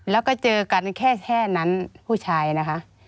แล้วก็มีแค่แค่นั้นผู้ชายนะคะ